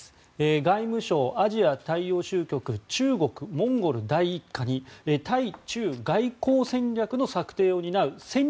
外務省アジア大洋州局中国・モンゴル第一課に対中国外交戦略の策定を担う戦略